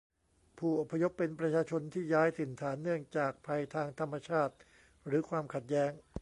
ผู้อพยพเป็นประชาชนที่ย้ายถิ่นฐานเนื่องจากภัยทางธรรมชาติหรือความขัดแย้ง